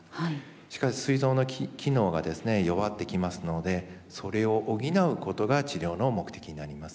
しかしすい臓の機能がですね弱ってきますのでそれを補うことが治療の目的になります。